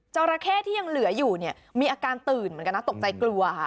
ราเข้ที่ยังเหลืออยู่เนี่ยมีอาการตื่นเหมือนกันนะตกใจกลัวค่ะ